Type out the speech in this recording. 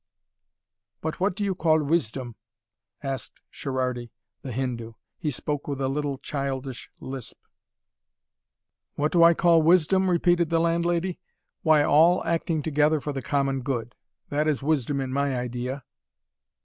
"But what do you call wisdom?" asked Sherardy, the Hindu. He spoke with a little, childish lisp. "What do I call wisdom?" repeated the landlady. "Why all acting together for the common good. That is wisdom in my idea."